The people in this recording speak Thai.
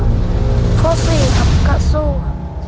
ตัวเลือกที่สี่กระซู่ครับ